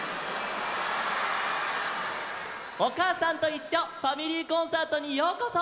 「おかあさんといっしょファミリーコンサート」にようこそ！